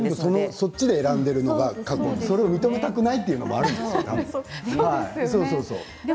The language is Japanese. そっちで選んでいるのがあって、それを認めたくないというのがあるんですよね。